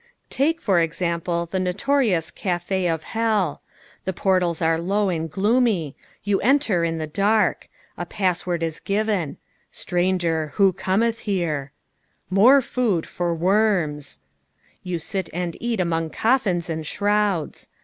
Take, for example, the notorious Café of Hell. The portals are low and gloomy. You enter in the dark. A pass word is given "Stranger, who cometh here?" "More food for worms." You sit and eat among coffins and shrouds.